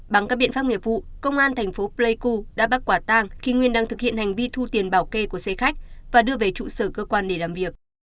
bằng các biện pháp nghiệp vụ công an thành phố pleiku đã bắt quả tang khi nguyên đang thực hiện hành vi thu tiền bảo kê của xe khách và đưa về trụ sở cơ quan để làm việc